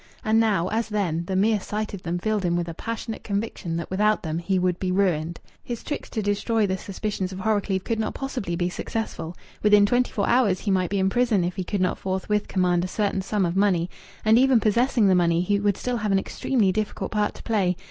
And now, as then, the mere sight of them filled him with a passionate conviction that without them he would be ruined. His tricks to destroy the suspicions of Horrocleave could not possibly be successful. Within twenty four hours he might be in prison if he could not forthwith command a certain sum of money. And even possessing the money, he would still have an extremely difficult part to play.